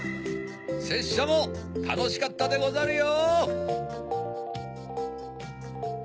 せっしゃもたのしかったでござるよ！